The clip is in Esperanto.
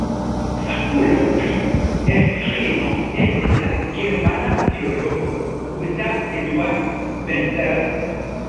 Fakulo pri Esĥino estis la germana filologo Gustav Eduard Benseler.